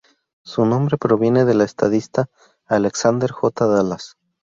Su nombre proviene del estadista Alexander J. Dallas.